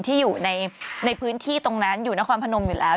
ที่อยู่ในพื้นที่ตรงนั้นอยู่นครพนมอยู่แล้ว